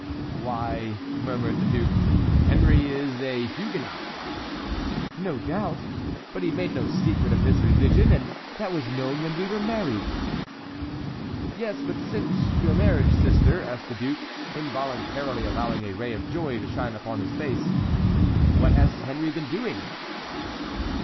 "Why," murmured the duke, "Henry is a Huguenot." "No doubt; but he made no secret of his religion, and that was known when we were married." "Yes; but since your marriage, sister," asked the duke, involuntarily allowing a ray of joy to shine upon his face, "what has Henry been doing?"